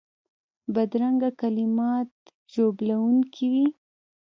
بدرنګه کلمات ژوبلونکي وي